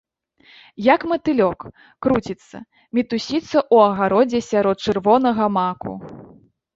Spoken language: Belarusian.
Як матылёк, круціцца, мітусіцца ў агародзе сярод чырвонага маку.